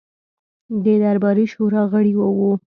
د درباري شورا غړی وو.